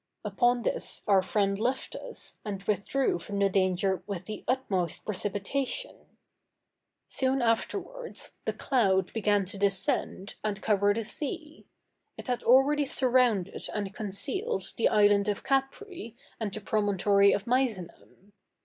Upon this our friend left us, and withdrew from the danger with the utmost precipitation. Soon afterwards, the cloud began to descend, and cover the sea. It had already surrounded and concealed the island of Capri and the promontory of Misenum.